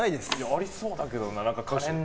ありそうだけどな。